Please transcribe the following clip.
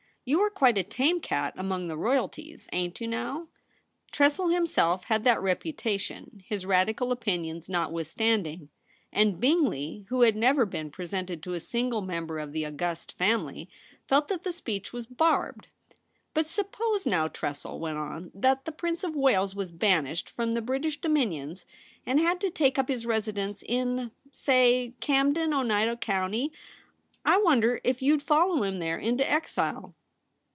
* You are quite a tame cat among the royalties, ain't you now ?' Tressel himself had that reputation, his Radical opinions notwithstanding ; and Bingley, who had never been presented to a single member of the august family, felt that the speech was TOMMY TRESSEL. 133 barbed. ' But suppose now,' Tressel went on, ' that the Prince of Wales was banished from the British dominions, and had to take up his residence in — say, Camden, Oneida Co., I wonder if you'd follow him there into exile.'